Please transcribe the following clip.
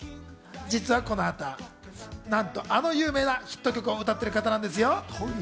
実はこの方、あの有名なヒット曲を歌っている方なんですよ。